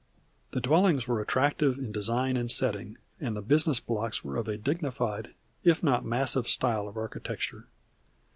The dwellings were attractive in design and setting, and the business blocks were of a dignified if not massive style of architecture.